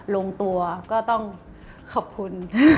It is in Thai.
ลงตัวก็ต้องขอบคุณ